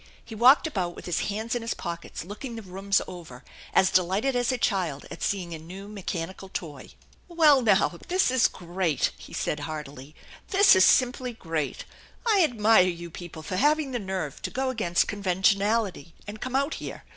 He walked about with his hands in his pockets, looking the rooms over, as delighted as a child at seeing a new mechanical toy. " Well, now this is great !" he said heartily. " This is simply great! I admire you people for having the nerve to go against conventionality and come out here.